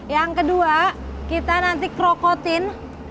yang kedua kita nanti krokotin